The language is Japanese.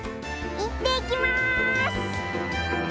いってきます！